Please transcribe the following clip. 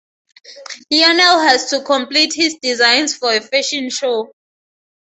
Lionel has to complete his designs for a fashion show.